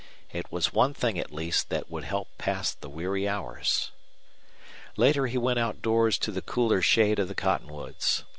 It was one thing, at least, that would help pass the weary hours. Later he went outdoors to the cooler shade of the cottonwoods.